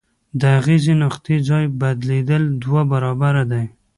د اغیزې نقطې ځای بدلیدل دوه برابره دی.